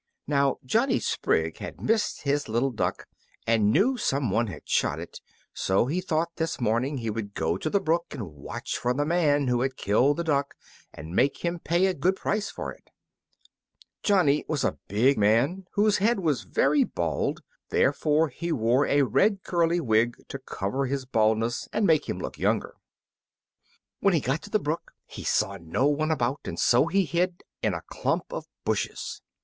Now Johnny Sprigg had missed his little duck, and knew some one had shot it; so he thought this morning he would go the brook and watch for the man who had killed the duck, and make him pay a good price for it. Johnny was a big man, whose head was very bald; therefore he wore a red curly wig to cover his baldness and make him look younger. When he got to the brook he saw no one about, and so he hid in a clump of bushes.